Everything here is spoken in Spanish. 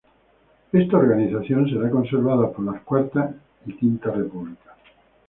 Esa organización será conservada por las cuarta y quinta repúblicas.